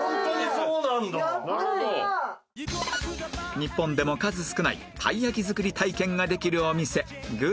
日本でも数少ないたい焼き作り体験ができるお店求楽